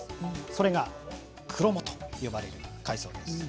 それがクロモと呼ばれる海藻です。